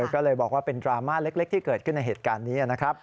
ก็เลยบอกว่าเป็นดราม่าเล็กที่เกิดขึ้นในเหตุการณ์นี้นะครับ